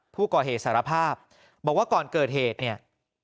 ผู้ก่อเหตุสารภาพบอกว่าก่อนเกิดเหตุเนี่ย